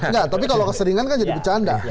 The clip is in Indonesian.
enggak tapi kalau keseringan kan jadi bercanda